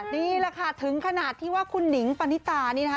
นี่แหละค่ะถึงขนาดที่ว่าคุณหนิงปณิตานี่นะคะ